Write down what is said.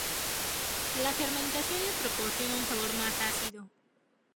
La fermentación le proporciona un sabor más ácido.